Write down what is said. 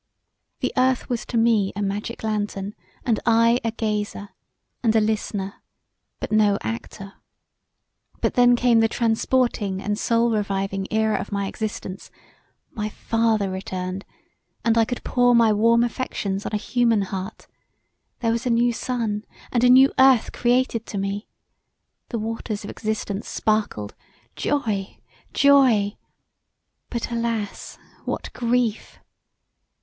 The earth was to me a magic lantern and I [a] gazer, and a listener but no actor; but then came the transporting and soul reviving era of my existence: my father returned and I could pour my warm affections on a human heart; there was a new sun and a new earth created to me; the waters of existence sparkled: joy! joy! but, alas! what grief!